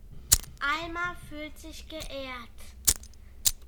Alma fühlt sich geehrt.